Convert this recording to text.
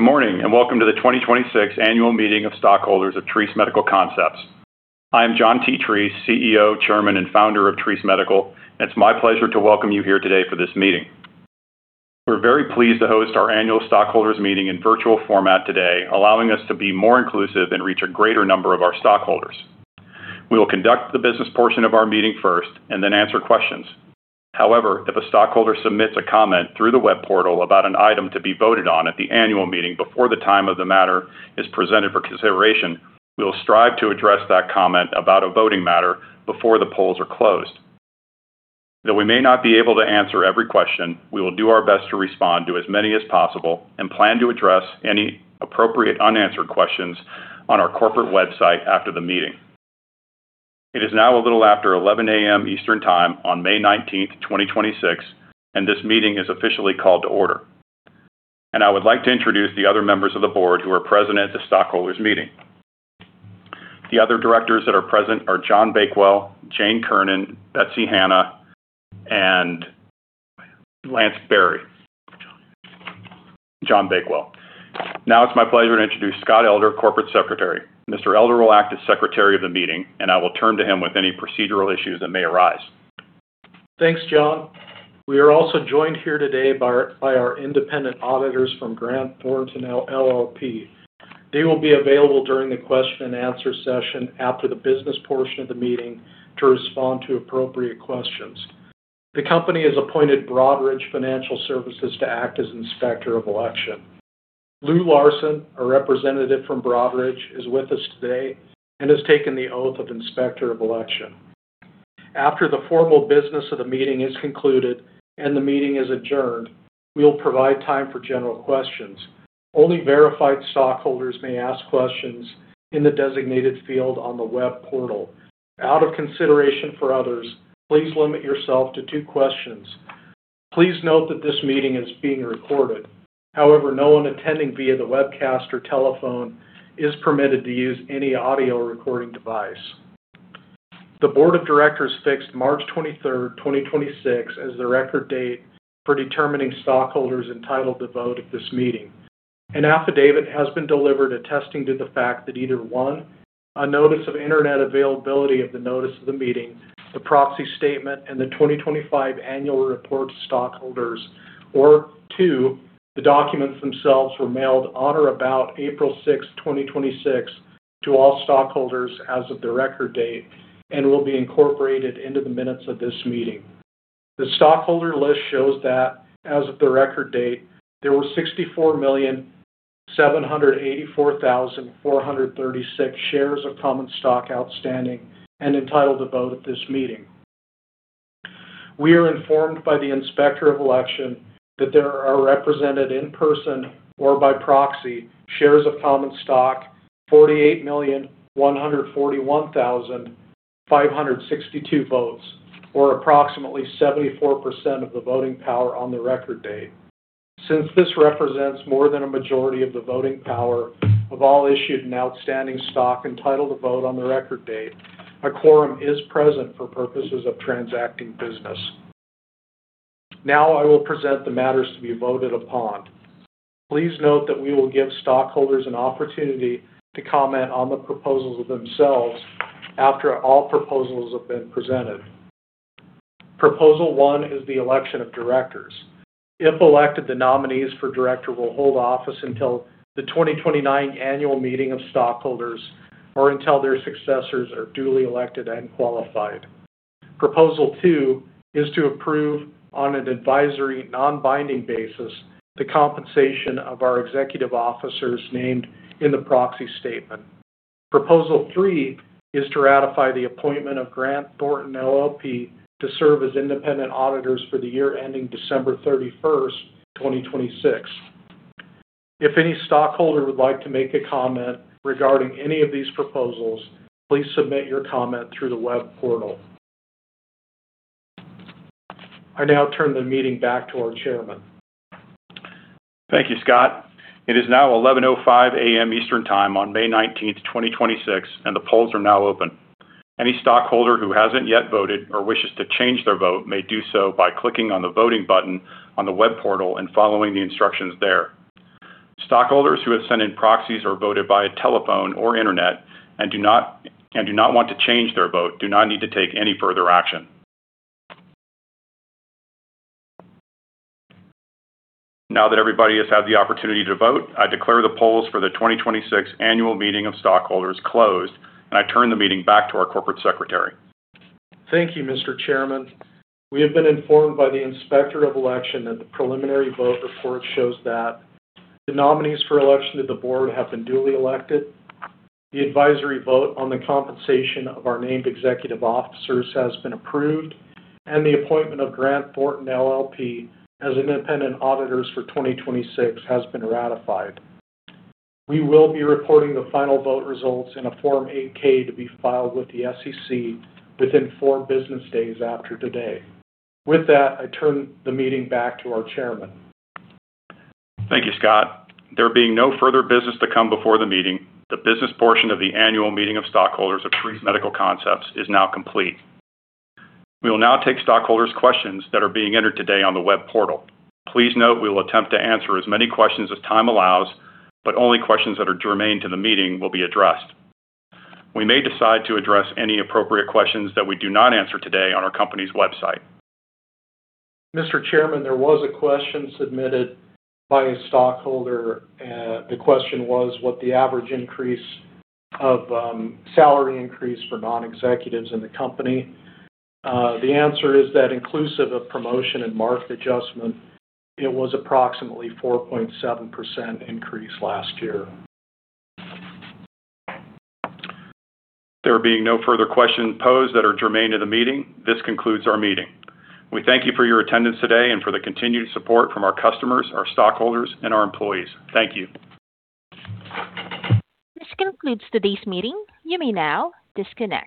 Morning, welcome to the 2026 Annual Meeting of Stockholders of Treace Medical Concepts. I am John T. Treace, CEO, Chairman, and founder of Treace Medical, and it's my pleasure to welcome you here today for this meeting. We're very pleased to host our annual stockholders meeting in virtual format today, allowing us to be more inclusive and reach a greater number of our stockholders. We will conduct the business portion of our meeting first and then answer questions. However, if a stockholder submits a comment through the web portal about an item to be voted on at the annual meeting before the time of the matter is presented for consideration, we will strive to address that comment about a voting matter before the polls are closed. Though we may not be able to answer every question, we will do our best to respond to as many as possible and plan to address any appropriate unanswered questions on our corporate website after the meeting. It is now a little after 11:00 A.M. Eastern Time on May 19th, 2026, and this meeting is officially called to order. I would like to introduce the other members of the board who are present at the stockholders meeting. The other directors that are present are John Bakewell, Jane Kiernan, Betsy Hanna, and Lance Berry. John Bakewell. Now it's my pleasure to introduce Scot Elder, Corporate Secretary. Mr. Elder will act as secretary of the meeting, and I will turn to him with any procedural issues that may arise. Thanks, John. We are also joined here today by our independent auditors from Grant Thornton LLP. They will be available during the question and answer session after the business portion of the meeting to respond to appropriate questions. The company has appointed Broadridge Financial Solutions to act as inspector of election. Lou Larson, a representative from Broadridge, is with us today and has taken the oath of inspector of election. After the formal business of the meeting is concluded and the meeting is adjourned, we will provide time for general questions. Only verified stockholders may ask questions in the designated field on the web portal. Out of consideration for others, please limit yourself to two questions. Please note that this meeting is being recorded. However, no one attending via the webcast or telephone is permitted to use any audio recording device. The board of directors fixed March 23rd, 2026, as the record date for determining stockholders entitled to vote at this meeting. An affidavit has been delivered attesting to the fact that either, one, a notice of internet availability of the notice of the meeting, the proxy statement, and the 2025 annual report to stockholders, or, two, the documents themselves were mailed on or about April 6th, 2026, to all stockholders as of the record date and will be incorporated into the minutes of this meeting. The stockholder list shows that as of the record date, there were 64,784,436 shares of common stock outstanding and entitled to vote at this meeting. We are informed by the inspector of election that there are represented in person or by proxy shares of common stock 48,141,562 votes, or approximately 74% of the voting power on the record date. Since this represents more than a majority of the voting power of all issued and outstanding stock entitled to vote on the record date, a quorum is present for purposes of transacting business. Now I will present the matters to be voted upon. Please note that we will give stockholders an opportunity to comment on the proposals themselves after all proposals have been presented. Proposal 1 is the election of directors. If elected, the nominees for director will hold office until the 2029 annual meeting of stockholders or until their successors are duly elected and qualified. Proposal 2 is to approve on an advisory non-binding basis the compensation of our executive officers named in the proxy statement. Proposal 3 is to ratify the appointment of Grant Thornton LLP to serve as independent auditors for the year ending December 31st, 2026. If any stockholder would like to make a comment regarding any of these proposals, please submit your comment through the web portal. I now turn the meeting back to our chairman. Thank you, Scot. It is now 11:05 A.M. Eastern Time on May 19th, 2026, and the polls are now open. Any stockholder who hasn't yet voted or wishes to change their vote may do so by clicking on the voting button on the web portal and following the instructions there. Stockholders who have sent in proxies or voted via telephone or internet and do not want to change their vote do not need to take any further action. Now that everybody has had the opportunity to vote, I declare the polls for the 2026 annual meeting of stockholders closed, and I turn the meeting back to our Corporate Secretary. Thank you, Mr. Chairman. We have been informed by the inspector of election that the preliminary vote report shows that the nominees for election to the board have been duly elected, the advisory vote on the compensation of our named executive officers has been approved, and the appointment of Grant Thornton LLP as independent auditors for 2026 has been ratified. We will be reporting the final vote results in a Form 8-K to be filed with the SEC within four business days after today. With that, I turn the meeting back to our chairman. Thank you, Scot. There being no further business to come before the meeting, the business portion of the annual meeting of stockholders of Treace Medical Concepts is now complete. We will now take stockholders' questions that are being entered today on the web portal. Please note we will attempt to answer as many questions as time allows, but only questions that are germane to the meeting will be addressed. We may decide to address any appropriate questions that we do not answer today on our company's website. Mr. Chairman, there was a question submitted by a stockholder. The question was what the average increase of salary increase for non-executives in the company. The answer is that inclusive of promotion and market adjustment, it was approximately 4.7% increase last year. There being no further questions posed that are germane to the meeting, this concludes our meeting. We thank you for your attendance today and for the continued support from our customers, our stockholders, and our employees. Thank you. This concludes today's meeting. You may now disconnect.